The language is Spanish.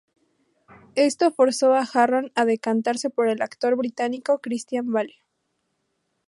Esto forzó a Harron a decantarse por el actor británico Christian Bale.